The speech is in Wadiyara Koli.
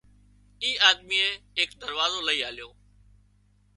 اي آڌميئي ايڪ دروازو لئي آليو